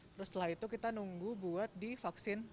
terus setelah itu kita nunggu buat divaksin